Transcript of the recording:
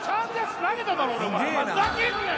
「ふざけんなよ」